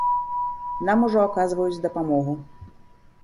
Нам ужо аказваюць дапамогу.